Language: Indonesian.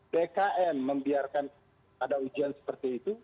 bkn membiarkan ada ujian seperti itu